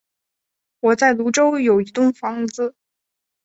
我在芦洲有一栋房子